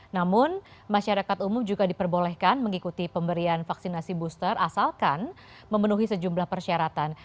namun masyarakat umum juga diperbolehkan mengikuti pemberian vaksinasi booster asalkan memenuhi sejumlah persyaratan